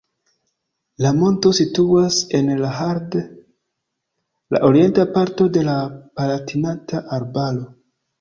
La monto situas en la Haardt, la orienta parto de la Palatinata arbaro.